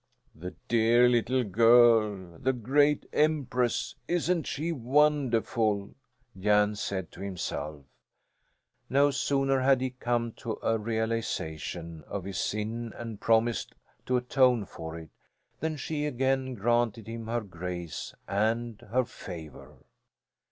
"The dear little girl, the great Empress, isn't she wonderful!" Jan said to himself. No sooner had he come to a realization of his sin and promised to atone for it, than she again granted him her grace and her favour.